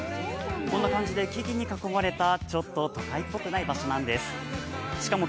こんな感じで木々に囲まれたちょっと都会っぽくない場所なんです。